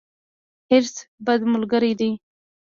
حرص، بد ملګری دی.